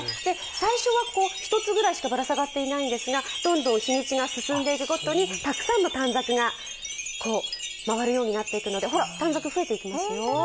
最初は１つくらいしかぶら下がってないんですがどんどん日にちが進んでいくごとに、たくさんの短冊が回るようになっていくのでほら、短冊が増えていきますよ。